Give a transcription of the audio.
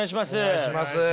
お願いします。